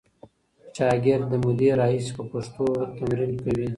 شاګرد له مودې راهیسې په پښتو تمرین کوي.